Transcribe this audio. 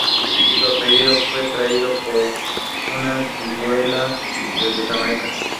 A las fachada sur de adosan una sacristía y el pórtico.